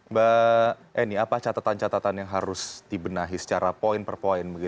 mbak eni apa catatan catatan yang harus dibenahi secara poin per poin